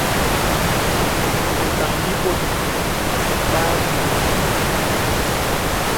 Mì mpàŋ mì bɔ̀t bə akənâ.